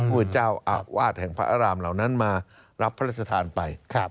เมื่อเจ้าอาวาสแห่งพระอารามเหล่านั้นมารับพระราชทานไป